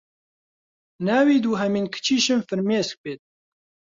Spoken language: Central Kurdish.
ناوی دوهەمین کچیشم فرمێسک بێت